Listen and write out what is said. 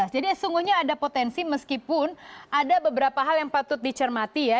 jadi sesungguhnya ada potensi meskipun ada beberapa hal yang patut dicermati ya